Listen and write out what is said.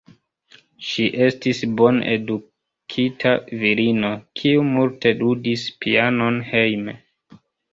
Ŝi estis bone edukita virino, kiu multe ludis pianon hejme.